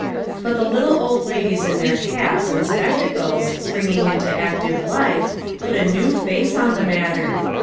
But the little old ladies in their caps and spec tacles springing into active life, put a new face on the matter.